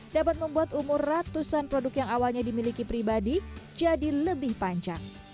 dapat membuat umur ratusan produk yang awalnya dimiliki pribadi jadi lebih panjang